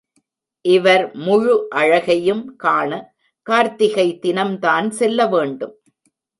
இவர் முழு அழகையும் காண, கார்த்திகை தினம்தான் செல்ல வேண்டும்.